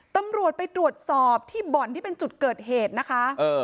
ตำรวจไปตรวจสอบที่บ่อนที่เป็นจุดเกิดเหตุนะคะ